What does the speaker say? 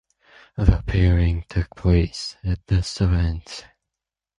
The pairing took place at this event.